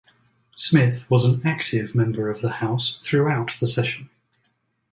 Smith was an active member of the House throughout the session.